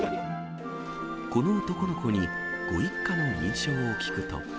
この男の子に、ご一家の印象を聞くと。